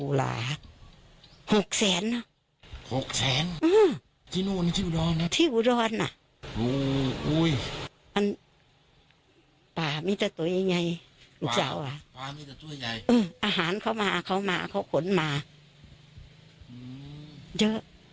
อุ้ยปลามีแต่ตัวยังไงลูกสาวปลามีแต่ตัวใหญ่อื้ออาหารเขามาเขามาเขาขนมาเยอะ